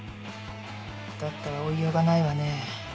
だったら追いようがないわね。